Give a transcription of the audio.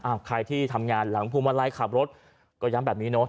อ้าวใครที่ทำงานหลังภูมิวันไร้ขับรถก็ย้ำแบบนี้เนอะ